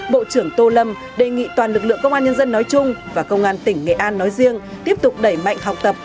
bộ trưởng tô lâm đề nghị toàn lực lượng công an nhân dân nói chung và công an tỉnh nghệ an nói riêng tiếp tục đẩy mạnh học tập